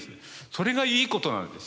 それがいいことなんです。